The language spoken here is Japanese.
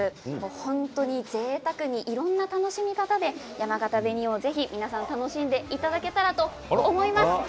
本当にぜいたくにいろんな楽しみ方でやまがた紅王皆さんで楽しんでいただけたらと思います。